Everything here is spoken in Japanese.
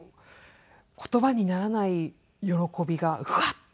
言葉にならない喜びがふわっと感じまして。